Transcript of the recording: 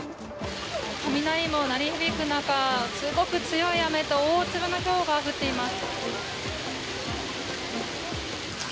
雷も鳴り響く中すごく強い雨と大粒のひょうが降っています。